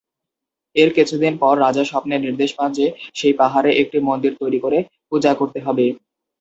এর কিছুদিন পর রাজা স্বপ্নে নির্দেশ পান যে সেই পাহাড়ে একটি মন্দির তৈরি করে পূজা করতে হবে।